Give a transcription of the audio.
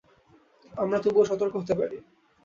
আমরা তবুও সতর্ক হতে পারি।